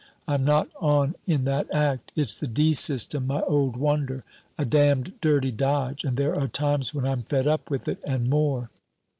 I'm not on in that act. It's the D system, my old wonder a damned dirty dodge, and there are times when I'm fed up with it, and more."